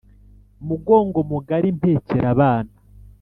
Mugongo mugari mpekera abana